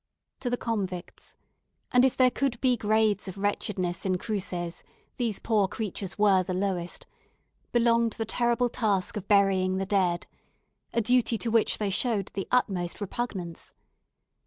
To the convicts and if there could be grades of wretchedness in Cruces, these poor creatures were the lowest belonged the terrible task of burying the dead; a duty to which they showed the utmost repugnance.